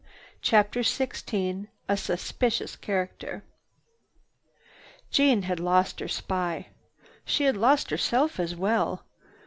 CHAPTER XVI A SUSPICIOUS CHARACTER Jeanne had lost her spy. She had lost herself as well.